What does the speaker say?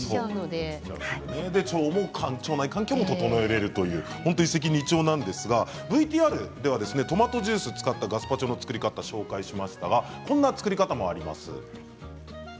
それで腸内環境も整える一石二鳥ですがＶＴＲではトマトジュースを使ったガスパチョの作り方を紹介しましたがこんな作り方もあります。